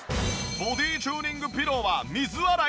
ボディチューニングピローは水洗いオッケー！